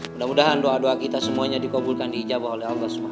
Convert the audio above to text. mudah mudahan doa doa kita semuanya dikabulkan diijabah oleh allah swt